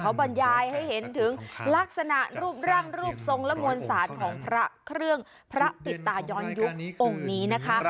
เขาบรรยายให้เห็นถึงลักษณะรูปร่างรูปทรงและมวลสารของพระเครื่องพระปิดตาย้อนยุคองค์นี้นะคะ